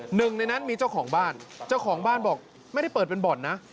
หนึ่งในนั้นมีเจ้าของบ้านเจ้าของบ้านบอกไม่ได้เปิดเป็นบ่อนนะ